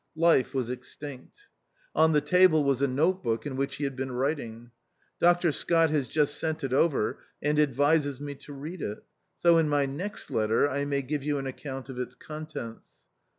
Life was extinct. On the table was a note book in which he had been writing. Dr, Scott has just sent it over, and advises me to read it ; so in my next letter I may give you an account of its contents.